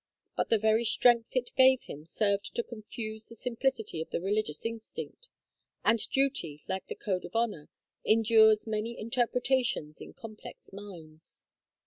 But the very strength it gave him served to confuse the simplicity of the religious instinct; and duty, like the code of honor, endures many interpretations in complex minds.